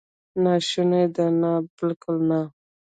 ناشونې ده؟ نه، بالکل نه!